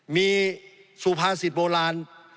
มีสุภาษิตโบราณ